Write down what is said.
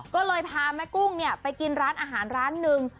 ก็เลยพาแม่กุ้งไปกินร้านอาหารร้านหนึ่ง